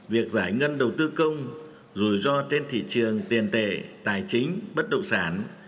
việc giải ngân đầu tư công rủi ro trên thị trường tiền tệ tài chính bất động sản